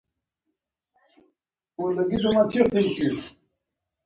کنه خوار ذلیل به ګرځئ په دنیا کې.